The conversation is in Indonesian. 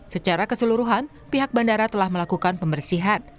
secara keseluruhan pihak bandara telah melakukan pembersihan